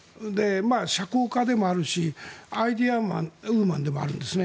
社交家でもあるしアイデアウーマンでもあるんですね。